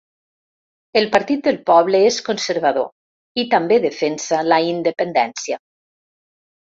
El Partit del Poble és conservador i també defensa la independència.